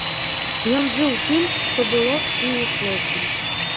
Ён жыў тым, што было і ішлося.